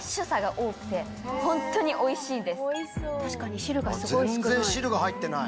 確かに汁がすごい少ない。